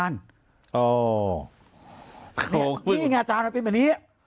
นี่ไงอาจารย์มันเป็นแบบนี้